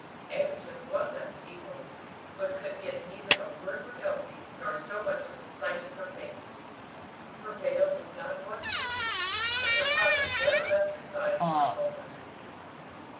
Egerton was at the depot, but could get neither a word with Elsie, nor so much as a sight of her face. Her veil was not once lifted, and her father never left her side for a moment.